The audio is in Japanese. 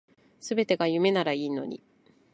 全てが夢ならいいのに